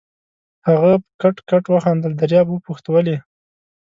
هغه په کټ کټ وخندل، دریاب وپوښت: ولې؟